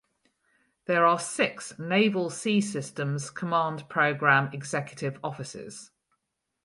There are six Naval Sea Systems Command Program Executive Offices.